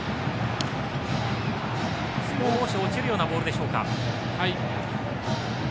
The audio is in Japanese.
少し落ちるようなボールでしょうか。